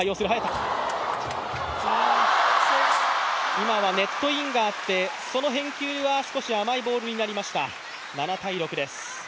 今はネットインがあって、その返球は少し甘いボールになりました。